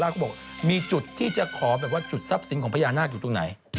และก็บอกมีจุดที่จะขอจุดซับสิ้นของพระยานาคอยู่ตรงไหน